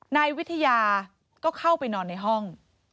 นายวิทยาก็เข้าไปนอนในห้อง